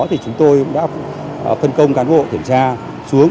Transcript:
thì chúng tôi đã phân công cán bộ kiểm tra xuống